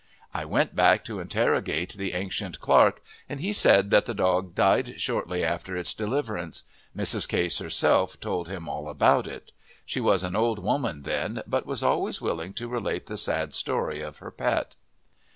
I went back to interrogate the ancient clerk, and he said that the dog died shortly after its deliverance; Mrs. Case herself told him all about it. She was an old woman then, but was always willing to relate the sad story of her pet.